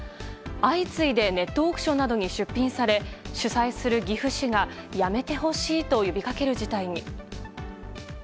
相次いでネットオークションなどに出品され主催する岐阜市がやめてほしいと呼びかける事態に。